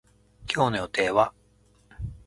今日の予定は